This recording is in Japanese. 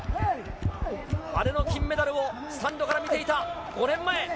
姉の金メダルをスタンドから見ていた５年前。